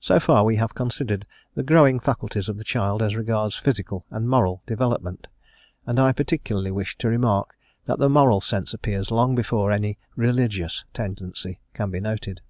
So far we have considered the growing faculties of the child as regards physical and moral development, and I particularly wish to remark that the moral sense appears long before any "religious" tendency can be noted.